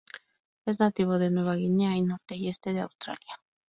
Es nativo de Nueva Guinea y norte y este de Australia.